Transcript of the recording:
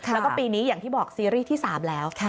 แล้วก็ปีนี้อย่างที่บอกซีรีส์ที่๓แล้ว